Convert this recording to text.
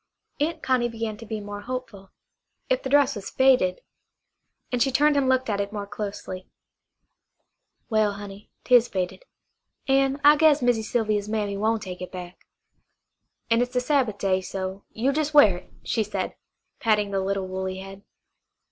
Aunt Connie began to be more hopeful. If the dress was faded and she turned and looked at it more closely. "Well, honey, 'tis faded. An' I guess Missy Sylvia's mammy won' take it back. An' it's the Sabbath day, so you jes' wear it," she said, patting the little woolly head.